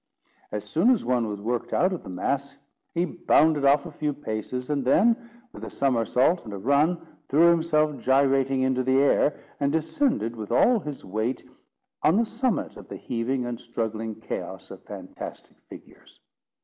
As soon as one was worked out of the mass, he bounded off a few paces, and then, with a somersault and a run, threw himself gyrating into the air, and descended with all his weight on the summit of the heaving and struggling chaos of fantastic figures.